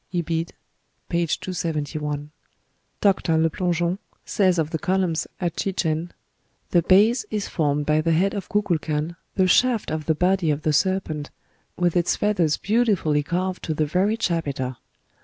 '" (Ibid., p. 271.) Dr. Le Plongeon says of the columns at Chichen: "The base is formed by the head of Cukulcan, the shaft of the body of the serpent, with its feathers beautifully carved to the very chapiter.